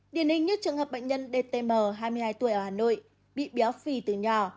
điển hình như trường hợp bệnh nhân dtm hai mươi hai tuổi ở hà nội bị béo phì từ nhỏ